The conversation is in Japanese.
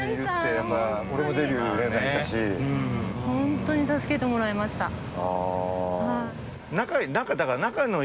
ほんとに助けてもらいました。